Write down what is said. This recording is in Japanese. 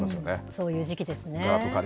そういう時期ですね。